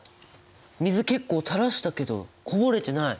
水結構たらしたけどこぼれてない！